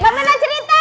mbak mirna cerita